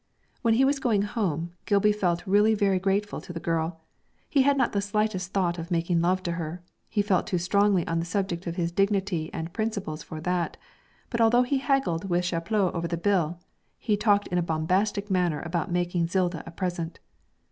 When he was going home, Gilby felt really very grateful to the girl. He had not the slightest thought of making love to her; he felt too strongly on the subject of his dignity and his principles for that; but although he haggled with Chaplot over the bill, he talked in a bombastic manner about making Zilda a present.